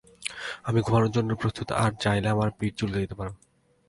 আমি ঘুমানোর জন্য প্রস্তুত, আর চাইলে আমার পিঠ চুলকে দিতে পারো।